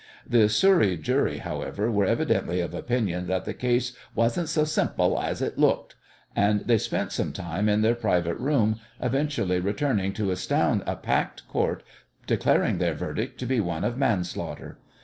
The Surrey jury, however, were evidently of opinion that the case "wasn't so simple as it looked," and they spent some time in their private room, eventually returning to astound a packed Court by declaring their verdict to be one of manslaughter.